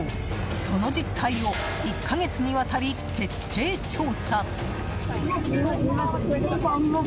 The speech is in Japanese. その実態を１か月にわたり徹底調査。